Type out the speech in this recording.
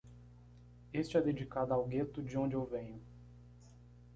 Este é dedicado ao gueto de onde eu venho.